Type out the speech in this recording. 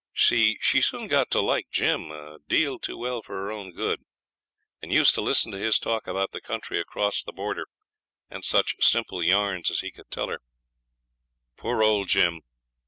She soon got to like Jim a deal too well for her own good, and used to listen to his talk about the country across the border, and such simple yarns as he could tell her, poor old Jim!